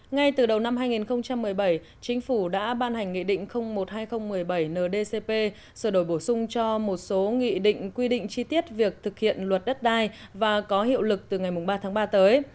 ngay từ đầu năm hai nghìn một mươi bảy chính phủ đã ban hành nghị định một hai nghìn một mươi bảy ndcp sửa đổi bổ sung cho một số nghị định quy định chi tiết việc thực hiện luật đất đai và có hiệu lực từ ngày ba tháng ba tới